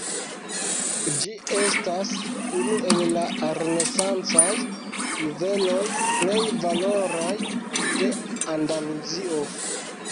Ĝi estas unu el la renesancaj juveloj plej valoraj de Andaluzio.